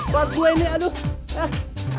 kuat gue ini aduh